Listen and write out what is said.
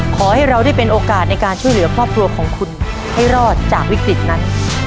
ขอให้เราได้เป็นโอกาสในการช่วยเหลือครอบครัวของคุณให้รอดจากวิกฤตนั้น